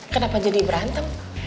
kenapa jadi berantem